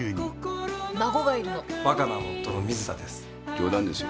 「冗談ですよ」